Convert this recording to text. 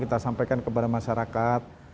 kita sampaikan kepada masyarakat